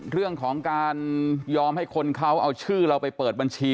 เรื่องของการยอมให้คนเขาเอาชื่อเราไปเปิดบัญชี